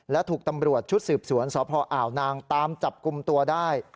และถูกตำรวจชุดสืบสวนสพอ่าวนางตามจับกลุ่มตัวได้